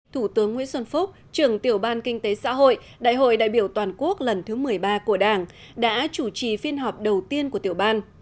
thủ tướng nguyễn xuân phúc trưởng tiểu ban kinh tế xã hội đại hội đại biểu toàn quốc lần thứ một mươi ba của đảng đã chủ trì phiên họp đầu tiên của tiểu ban